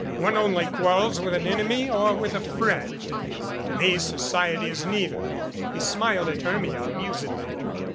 One only quarrels with an enemy or with a friend. To me society is neither." He smiled at Hermia amusedly.